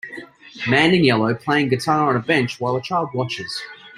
Man in yellow playing guitar on a bench while a child watches.